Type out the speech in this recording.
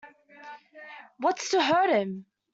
What's to hurt him!